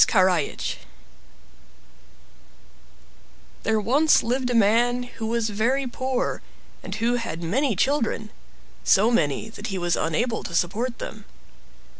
Karajich There once lived a man who was very poor, and who had many children; so many that he was unable to support them.